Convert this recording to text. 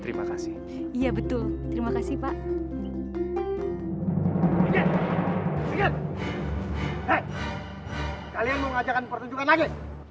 hei kalian mau ngajakkan pertunjukan lagi